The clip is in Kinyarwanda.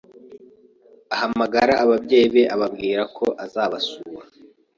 ahamagara ababyeyi be ababwira ko azabasura